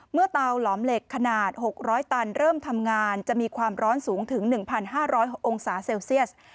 เตาหลอมเหล็กขนาด๖๐๐ตันเริ่มทำงานจะมีความร้อนสูงถึง๑๕๐๐องศาเซลเซียส